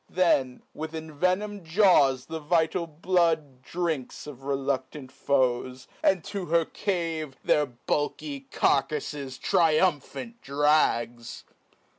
47 Then, with envenom'd jaws the vital blood Drinks of reluctant foes, and to her cave Their bulky carcafles triumphant drags.